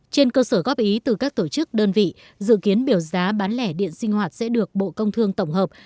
trên cơ sở góp ý từ các tổ chức đơn vị dự kiến biểu giá bán lẻ điện sinh hoạt sẽ được bộ công thương tổng hợp